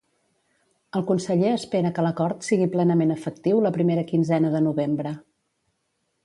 El conseller espera que l’acord sigui plenament efectiu la primera quinzena de novembre.